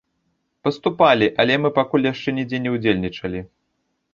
Паступалі, але мы пакуль яшчэ нідзе не ўдзельнічалі.